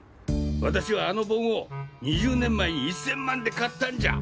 私はあの盆を２０年前に１千万で買ったんじゃ！！